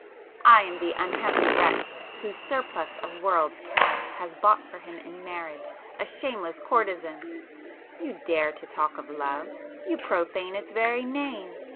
I am the unhappy wretch whose surplus of world's cash has bought for him in marriage a shameless courtezan! You dare to talk of love? You profane its very name!